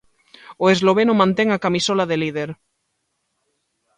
O esloveno mantén a camisola de líder.